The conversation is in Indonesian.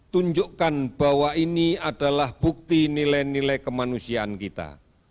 tunjukkan bahwa ini adalah bukti nilai nilai kemanusiaan kita